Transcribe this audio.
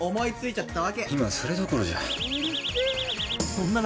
今それどころじゃ。